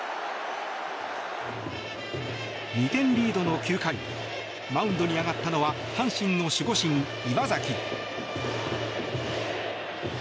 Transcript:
２点リードの９回マウンドに上がったのは阪神の守護神、岩崎。